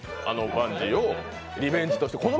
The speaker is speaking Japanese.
あのバンジーをリベンジとして。